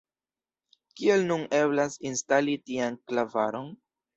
Kiel nun eblas instali tian klavaron?